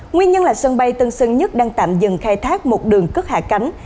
nguyên nhân là sân bay tân sơn nhất đang tạm dừng khai thác một đường cất hạ cánh